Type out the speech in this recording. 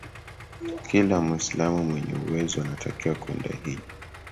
kila muislamu mwenye uwezo anatakiwa kwenda hijja